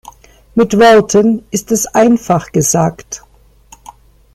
Mit Worten ist es einfach gesagt.